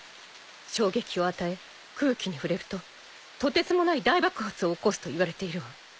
衝撃を与え空気に触れるととてつもない大爆発を起こすといわれているわ。